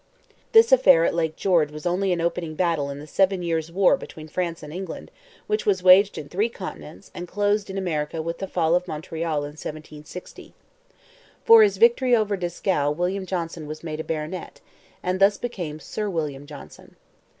This affair at Lake George was only an opening battle in the Seven Years' War between France and England which was waged in three continents and closed in America with the fall of Montreal in 1760. For his victory over Dieskau William Johnson was made a baronet, and thus became Sir William Johnson.